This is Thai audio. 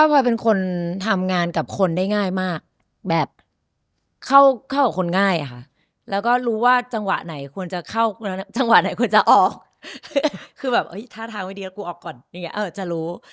พอเป็นคนทำงานกับคนได้ง่ายมากแบบเข้ากับคนง่ายค่ะแล้วก็รู้ว่าจังหวะไหนควรจะเข้าจังหวะไหนควรจะออกคือแบบท่าทางไม่ดีแล้วกูออกก่อนอย่างนี้จะรู้